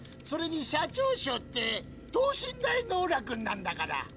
それに「社長賞」って等身大ノーラ君なんだから。